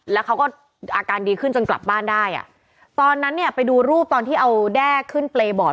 แล้วเขาก็อาการดีขึ้นจนกลับบ้านได้อ่ะตอนนั้นเนี่ยไปดูรูปตอนที่เอาแด้ขึ้นเปรย์บอร์ด